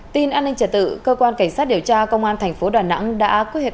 tin an ninh trả tự cơ quan cảnh sát điều tra công an tp đà nẵng đã có hiệp